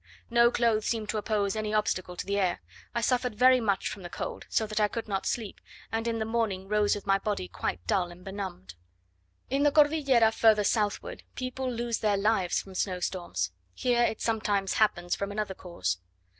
No clothes seemed to pose any obstacle to the air; I suffered very much from the cold, so that I could not sleep, and in the morning rose with my body quite dull and benumbed. In the Cordillera further southward, people lose their lives from snow storms; here, it sometimes happens from another cause.